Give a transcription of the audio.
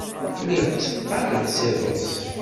Lliɣ tteqqaleɣ s iḍes.